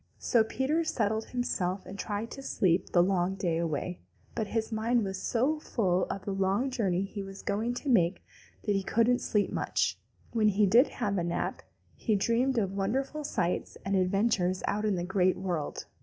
So Peter settled himself and tried to sleep the long day away, but his mind was so full of the long journey he was going to make that he couldn't sleep much, and when he did have a nap, he dreamed of wonderful sights and adventures out in the Great World.